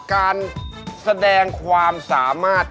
การแสดงความสามารถ